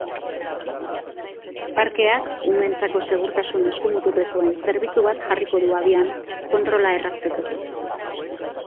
Parkeak umeentzako segurtasun eskumuturrekoen zerbitzu bat jarriko du abian, kontrola errazteko.